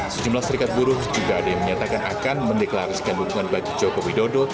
sejumlah serikat buruh juga ada yang menyatakan akan mendeklarasikan dukungan bagi jokowi dodo